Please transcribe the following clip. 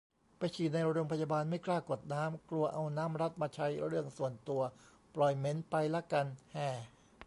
ไปฉี่ในโรงพยาบาล ไม่กล้ากดน้ำ กลัวเอาน้ำรัฐมาใช้เรื่องส่วนตัว ปล่อยเหม็นไปละกัน แฮ่